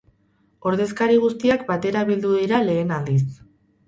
Ordezkari guztiak batera bildu dira lehen aldiz.